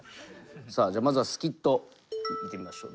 さあじゃあまずはスキット見てみましょう。